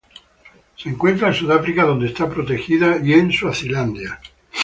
Se encuentra en Sudáfrica, donde está protegida, y Swazilandia.